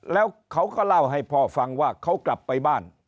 แล้วเขาก็เล่าให้พ่อฟังว่าเขากลับไปบ้าน